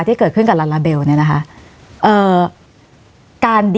ที่เกิดขึ้นกับลาลาเบลเนี่ยนะคะ